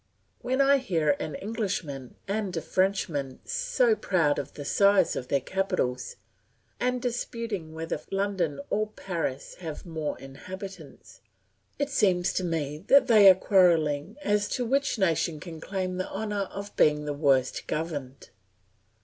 When I hear an Englishman and a Frenchman so proud of the size of their capitals, and disputing whether London or Paris has more inhabitants, it seems to me that they are quarrelling as to which nation can claim the honour of being the worst governed.